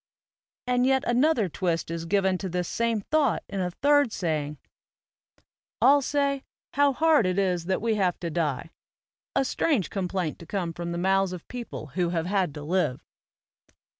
And yet another twist is given to this same thought in a third saying: "All say, 'How hard it is that we have to die,' a strange complaint to come from the mouths of people who have had to live."